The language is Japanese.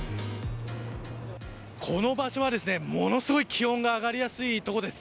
この場所はものすごい気温が上がりやすい所です。